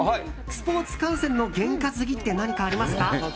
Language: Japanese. スポーツ観戦の験担ぎって何かありますか？